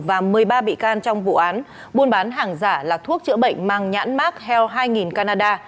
và một mươi ba bị can trong vụ án buôn bán hàng giả là thuốc chữa bệnh mang nhãn mark heal hai canada